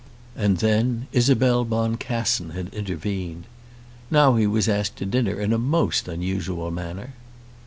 And then Isabel Boncassen had intervened. Now he was asked to dinner in a most unusual manner!